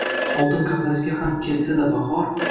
Oltin qafasga ham kelsa-da bahor